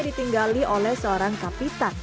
ditinggali oleh seorang kapitan